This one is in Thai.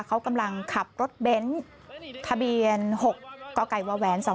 เขากำลังขับรถเบ้นทะเบียน๖กกว๒๕๖